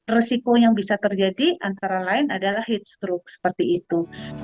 resiko yang bisa terjadi antara lain adalah heat stroke seperti itu